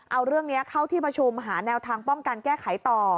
เอาเรื่องนี้เข้าที่ประชุมหาแนวทางป้องกันแก้ไขต่อ